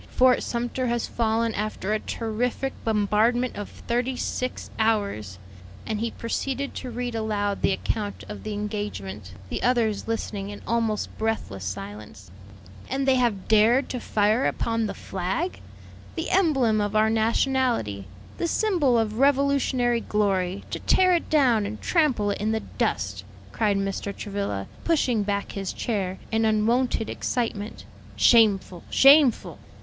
Fort Sumter has fallen after a terrific bombardment of thirty six hours." And he proceeded to read aloud the account of the engagement, the others listening in almost breathless silence. "And they have dared to fire upon the flag! the emblem of our nationality, the symbol of Revolutionary glory; to tear it down and trample it in the dust!" cried Mr. Travilla, pushing back his chair in unwonted excitement; "shameful, shameful!"